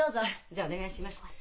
じゃあお願いします。